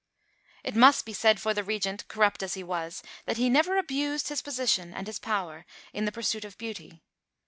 It must be said for the Regent, corrupt as he was, that he never abused his position and his power in the pursuit of beauty.